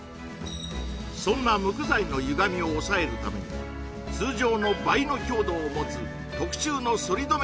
そんな無垢材のゆがみを抑えるために通常の倍の強度を持つ特注の反り止め